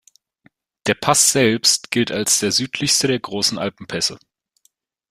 Der Pass selbst gilt als der südlichste der großen Alpenpässe.